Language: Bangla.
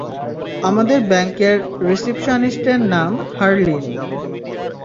আমাদের ব্যাংকের রিসিপশনিস্টের নাম হারলিন।